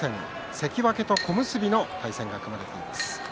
関脇と小結の対戦が組まれています。